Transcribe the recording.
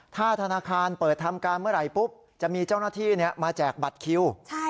ถ้าธนาคารเปิดทำการเมื่อไหร่ปุ๊บจะมีเจ้าหน้าที่มาแจกบัตรคิว